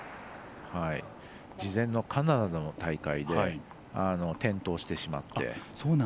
事前のカナダの大会で転倒してしまって。